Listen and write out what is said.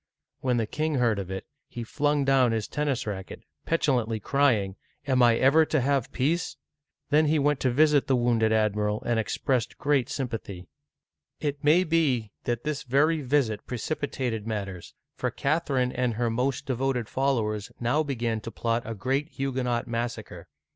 When the king heard of it, he flung down his ten nis racket, petulantly crying, "Am I never to have peace?" Then he went to visit the wounded admiral, and expressed great sympathy. It may be that this very visit precipitated matters, for Digitized by VjOOQIC Notre Dame. CHARLES IX. (1560 1574) 261 Catherine and her most devoted followers now began to plot a great Huguenot massacre.